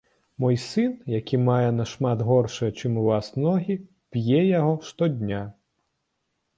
Мой сын, які мае нашмат горшыя чым у вас ногі, п'е яго штодня.